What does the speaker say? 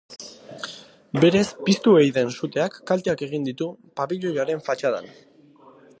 Berez piztu ei den suteak kalteak egin ditu pabiloiaren fatxadan.